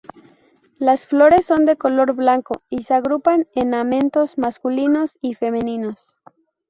Las flores son de color blanco y se agrupan en amentos masculinos y femeninos.